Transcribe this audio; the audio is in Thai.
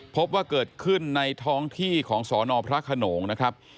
พบว่าเกิดขึ้นในท้องที่ของสนพระขนงนะครับ